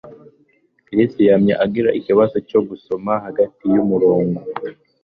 Chris yamye agira ikibazo cyo gusoma hagati yumurongo